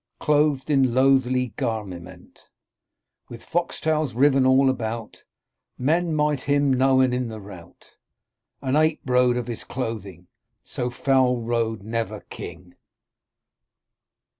Clothed in loathly gamement, With fox tails riven all about : Men might him knowen in the rout. An ape rode of his clothing ; So foul rode never king.